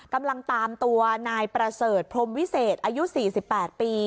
กำลังตามตัวนายประเสริฐพรมวิเศษอายุ๔๘ปี